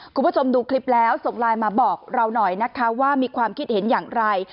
คุณผู้ชมดูคลิปแล้วส่งไลน์มาบอกเราหน่อยนะคะว่ามีความคิดเห็นอย่างไร